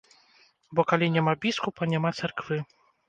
Бо калі няма біскупа, няма царквы!